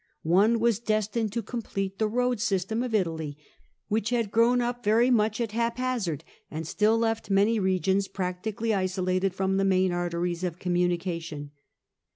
One was destined to complete the road system of Italy, which had grown up very much at haphazard, and still left many regions practically isolated from the main arteries of communication.